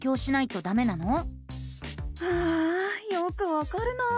ああよくわかるな。